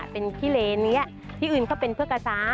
เป็นขี้เลนนี้ที่อื่นก็เป็นเพื่อกระซ้า